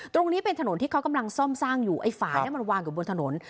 ตรงนี้เป็นถนนที่เขากำลังซ่อมสร้างอยู่ไอ้ฝาเนี่ยมันวางอยู่บนถนน